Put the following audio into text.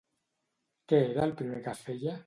Què era el primer que feia?